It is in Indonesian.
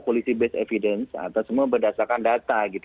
polisi based evidence atau semua berdasarkan data gitu